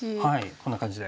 こんな感じで。